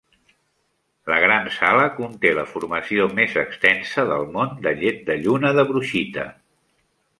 La Gran Sala conté la formació més extensa del món de llet de lluna de brushita.